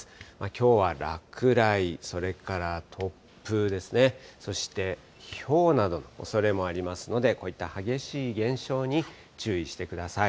きょうは落雷、それから突風ですね、そして、ひょうなどのおそれもありますので、こういった激しい現象に注意してください。